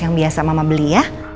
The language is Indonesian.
yang biasa mama beli ya